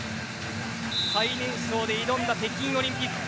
最年少で挑んだ北京オリンピック。